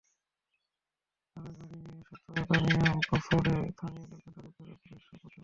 তাঁরা গাড়ি নিয়ে সাতকানিয়া পৌঁছালে স্থানীয় লোকজন তাঁদের ধরে পুলিশে সোপর্দ করেন।